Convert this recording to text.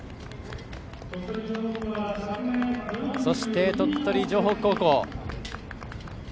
そして、鳥取城北高校。